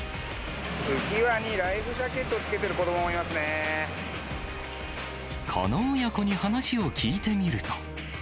浮き輪にライフジャケットをこの親子に話を聞いてみると。